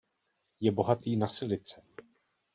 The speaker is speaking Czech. Je bohatý na silice.